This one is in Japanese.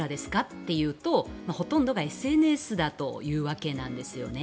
と言うとほとんどがＳＮＳだというわけなんですね。